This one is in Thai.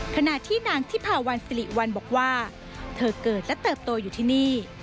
ขณะที่นางทิพาวันสิริวัลบอกว่าเธอเกิดและเติบโตอยู่ที่นี่